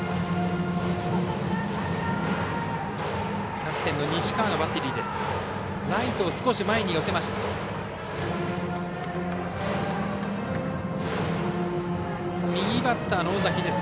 キャプテンの西川がバッテリーです。